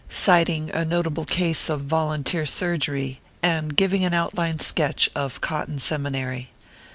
CITING A NOTABLE CASE OP VOLUNTEER SURGERY, AND CITING AN OUTLINE SKETCH OP " COTTON SEMINARY."